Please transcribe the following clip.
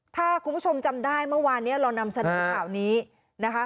ถ้าคุณผู้ชมจำได้เมื่อวานนี้เรานำเสนอข่าวนี้นะคะ